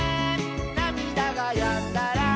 「なみだがやんだら」